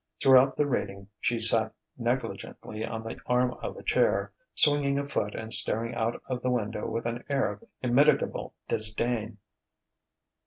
Throughout the reading, she sat negligently on the arm of a chair, swinging a foot and staring out of the window with an air of immitigable disdain.